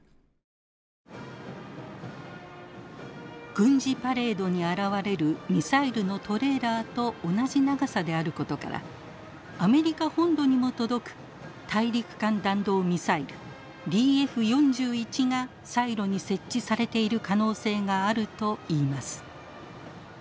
軍事パレードに現れるミサイルのトレーラーと同じ長さであることからアメリカ本土にも届く大陸間弾道ミサイルＤＦ４１がサイロに設置されている可能性があるといいます。